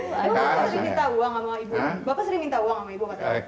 bapak sering minta uang sama ibu